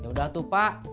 ya udah tuh pak